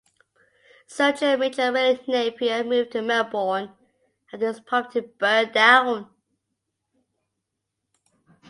Sergeant-Major William Napier moved to Melbourne after his property burnt down.